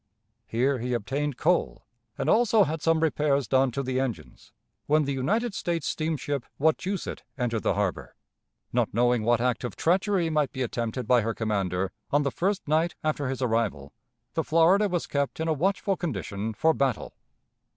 Here he obtained coal, and also had some repairs done to the engines, when the United States steamship Wachusett entered the harbor. Not knowing what act of treachery might be attempted by her commander on the first night after his arrival, the Florida was kept in a watchful condition for battle.